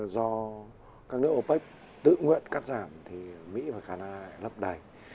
do các nước opec tự nguyện cắt giảm thì mỹ và canada lại lấp đầy